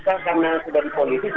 dan itu ada sepeda dari konsep